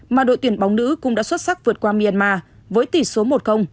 mà đội tuyển bóng nữ cũng đã xuất sắc vượt qua myanmar với tỷ số một